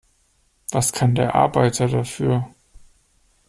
Was kann der Arbeiter dafür?